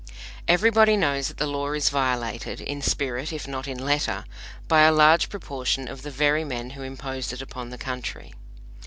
Everybody knows that the law is violated, in spirit if not in letter, by a large proportion of the very men who imposed it upon the country.